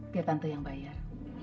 biar tante yang bayar